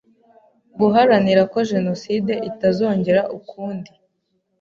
guharanira ko Jenoside itazongera ukundi.